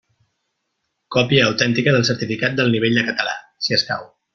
Còpia autèntica del certificat del nivell de català, si escau.